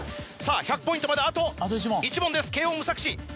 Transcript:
１００ポイントまであと１問ですけーおん・無策師。